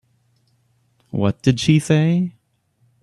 What did she say?